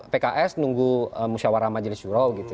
pks nunggu musyawarah majelis juru